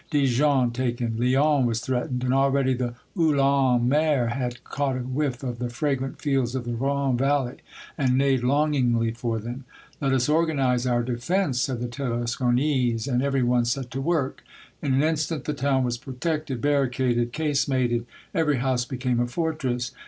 Dijon taken, Lyon was threatened, and already the Uhlans' mares had caught a whiff of the fragrant fields of the Rhone Valley, and neighed longingly for them. Let us organize our defence," said the Tarasconese, and every one set to work. In an instant the town was protected, barricaded, casemated. Every house became a fortress.